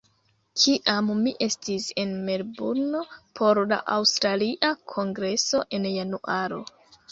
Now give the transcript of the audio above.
Kiam mi estis en Melburno por la aŭstralia kongreso en Januaro